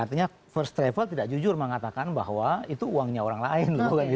artinya first travel tidak jujur mengatakan bahwa itu uangnya orang lain